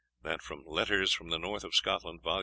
Letters from the North of Scotland, vol.